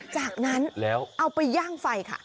จากนั้นแล้วเอาไปย่างไฟค่ะ